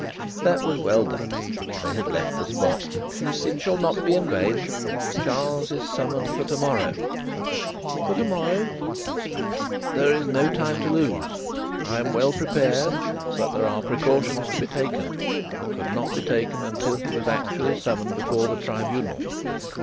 That was well done;" they had left the spot; "it shall not be in vain. Charles is summoned for to morrow." "For to morrow!" "There is no time to lose. I am well prepared, but there are precautions to be taken, that could not be taken until he was actually summoned before the Tribunal.